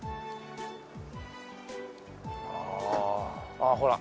ああほら